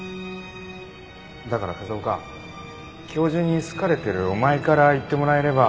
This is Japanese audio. だから風丘教授に好かれてるお前から言ってもらえれば。